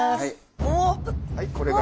はいこれが。